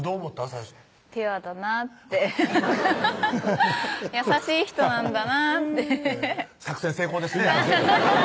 最初ピュアだなってアハハハ優しい人なんだなって作戦成功ですね